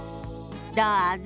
どうぞ。